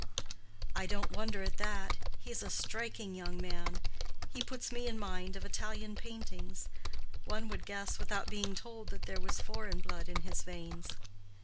"I don't wonder at that: he is a striking young man. He puts me in mind of Italian paintings. One would guess, without being told, that there was foreign blood in his veins."